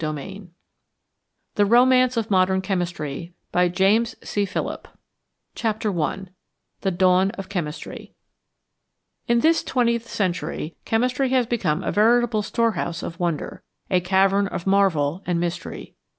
. 300 16 THE ROMANCE OF MODERN CHEMISTRY CHAPTER I THE DAWN OF CHEMISTRY IN this twentieth century chemistry has become a veritable storehouse of wonder, a cavern of marvel and mystery.